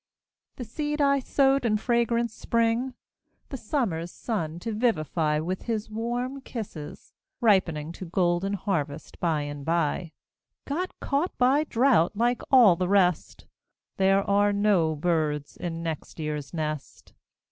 The seed I sowed in fragrant spring The summer's sun to vivify With his warm kisses, ripening To golden harvest by and by, Got caught by drought, like all the rest There are no birds in next year's nest.